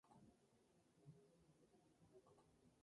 El distrito congresional abarca a todo el Distrito de Columbia.